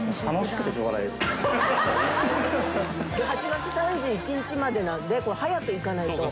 ８月３１日までなんで早く行かないと。